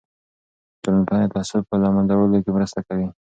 ټولنپوهنه د تعصب په له منځه وړلو کې مرسته کوي.